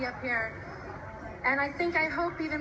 แต่ผมไม่รู้ว่าจะได้บอกอะไร